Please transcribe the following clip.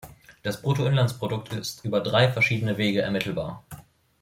Das Bruttoinlandsprodukt ist über drei verschiedene Wege ermittelbar.